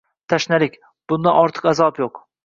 Tashnalik! Bundan ortiq azob yo‘q